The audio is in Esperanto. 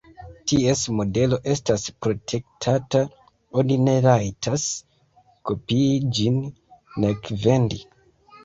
Ties modelo estas protektata: oni ne rajtas kopii ĝin, nek vendi.